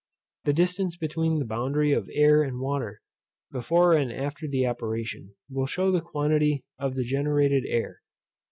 The distance between the boundary of air and water, before and after the operation, will shew the quantity of the generated air.